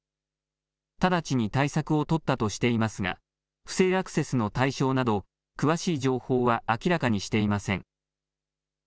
直ちに対策を取ったとしていますが、不正アクセスの対象など、詳しい情報は明らかにしていません。